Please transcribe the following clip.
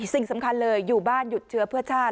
สิ่งสำคัญเลยอยู่บ้านหยุดเชื้อเพื่อชาติ